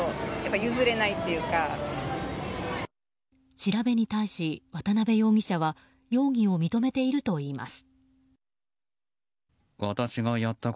調べに対し、渡辺容疑者は容疑を認めているといいます。